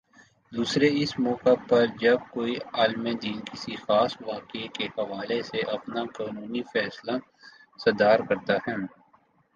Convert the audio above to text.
دوسرے اس موقع پر جب کوئی عالمِ دین کسی خاص واقعے کے حوالے سے اپنا قانونی فیصلہ صادر کرتا ہے